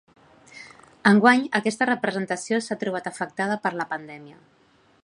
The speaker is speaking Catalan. Enguany, aquesta representació s’ha trobat afectada per la pandèmia.